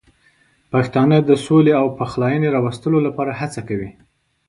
پښتانه د سولې او پخلاینې راوستلو لپاره هڅه کوي.